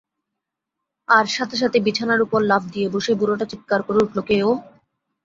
আর সাথে সাথে বিছানার উপর লাফ দিয়ে বসে বুড়োটা চিৎকার করে উঠল কে ও?